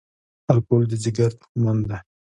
الکول د ځیګر دښمن دی